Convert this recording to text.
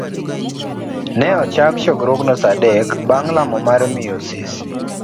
Ne ochak chokruogno sa adek bang' lamo mar miyo Sisi.